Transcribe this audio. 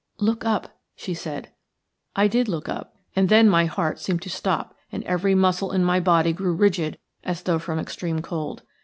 "Look up," she said. I did look up, and then my heart seemed to stop and every muscle in my body grew rigid as though from extreme cold.